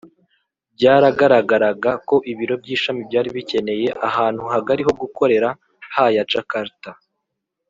Byaragaragaraga ko ibiro by ishami byari bikeneye ahantu hagari ho gukorera ha ya Jakarta